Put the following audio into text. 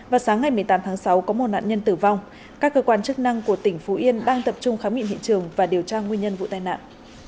vào sáng ngày một mươi tám tháng sáu có một nạn nhân tử vong các cơ quan chức năng của tỉnh phú yên đang tập trung khám nghiệm hiện trường và điều tra nguyên nhân vụ tai nạn